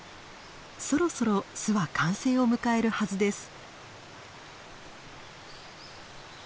そろそろ巣は完成を迎えるはずです。